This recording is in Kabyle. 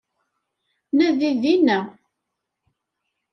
Nadi dinna